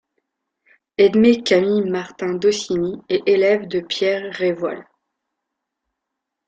Edmé-Camille Martin-Daussigny est élève de Pierre Révoil.